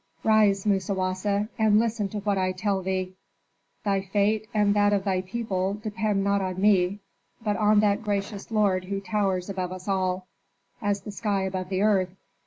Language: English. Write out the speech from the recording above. "Rise, Musawasa, and listen to what I tell thee. Thy fate and that of thy people depend not on me, but on that gracious lord who towers above us all, as the sky above the earth.